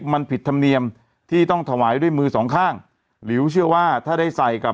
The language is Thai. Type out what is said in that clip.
มันผิดธรรมเนียมที่ต้องถวายด้วยมือสองข้างหลิวเชื่อว่าถ้าได้ใส่กับ